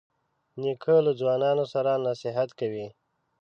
نیکه له ځوانانو سره نصیحت کوي.